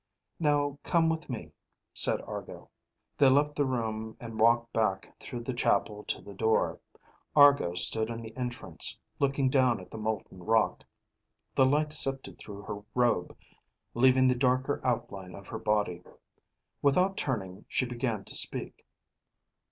"Now come with me," said Argo. They left the room and walked back through the chapel to the door. Argo stood in the entrance, looking down at the molten rock. The light sifted through her robe, leaving the darker outline of her body. Without turning, she began to speak.